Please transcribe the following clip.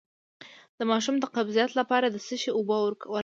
د ماشوم د قبضیت لپاره د څه شي اوبه ورکړم؟